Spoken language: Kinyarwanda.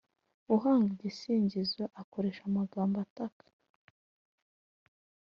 Uhanga igisingizo akoresha amagambo ataka